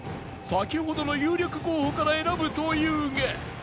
先ほどの有力候補から選ぶというが